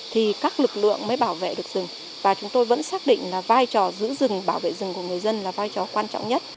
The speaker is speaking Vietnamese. thì các lực lượng mới bảo vệ được rừng và chúng tôi vẫn xác định là vai trò giữ rừng bảo vệ rừng của người dân là vai trò quan trọng nhất